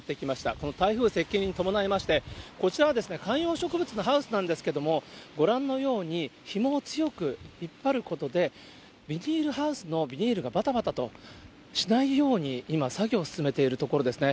この台風接近に伴いまして、こちらは観葉植物のハウスなんですけれども、ご覧のように、ひもを強く引っ張ることでビニールハウスのビニールがばたばたとしないように、今、作業を進めているところですね。